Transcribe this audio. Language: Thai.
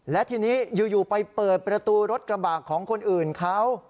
และทีนี้อยู่ไปเปิดประตูรถกระบะของคนอื่นเขา